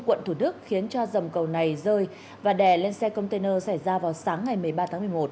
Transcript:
quận thủ đức khiến cho dầm cầu này rơi và đè lên xe container xảy ra vào sáng ngày một mươi ba tháng một mươi một